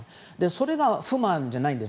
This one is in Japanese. それが不満じゃないんです。